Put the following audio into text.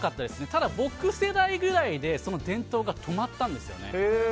ただ、僕世代ぐらいでその伝統が止まったんですよね。